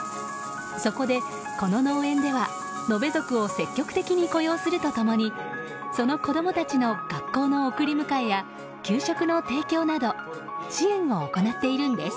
そこで、この農園ではノベ族を積極的に雇用すると共にその子供たちの学校の送り迎えや給食の提供など支援を行っているんです。